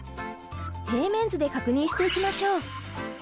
平面図で確認していきましょう！